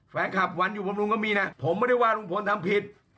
แฟนคลับวันอยู่บำรุงก็มีนะผมไม่ได้ว่าลุงพลทำผิด